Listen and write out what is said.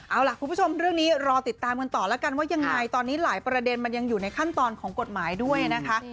เอาล่ะคุณผู้ชมเรื่องนี้รอติดตามกันต่อแล้วกันว่ายังไงตอนนี้หลายประเด็นมันยังอยู่ในขั้นตอนของกฎหมายด้วยนะคะ